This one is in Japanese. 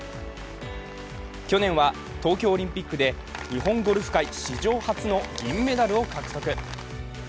去年は東京オリンピックで日本ゴルフ界史上初の銀メダルを獲得。